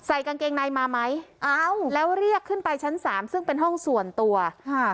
กางเกงในมาไหมอ้าวแล้วเรียกขึ้นไปชั้นสามซึ่งเป็นห้องส่วนตัวค่ะ